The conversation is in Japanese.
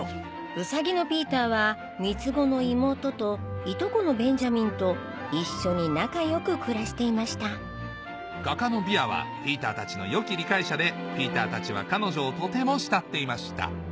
ウサギのピーターは三つ子の妹といとこのベンジャミンと一緒に仲良く暮らしていました画家のビアはピーターたちのよき理解者でピーターたちは彼女をとても慕っていました